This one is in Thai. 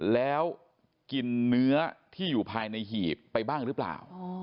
แล้วกินเนื้อที่อยู่ภายในหีบไปบ้างหรือเปล่า